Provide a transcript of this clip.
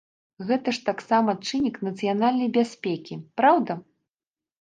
Гэта ж таксама чыннік нацыянальнай бяспекі, праўда?